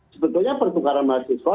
sebetulnya pertukaran mahasiswa